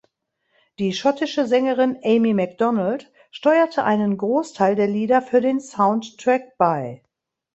Die schottische Sängerin Amy Macdonald steuerte einen Großteil der Lieder für den Soundtrack bei.